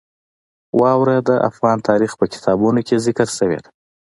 واوره د افغان تاریخ په کتابونو کې ذکر شوې ده.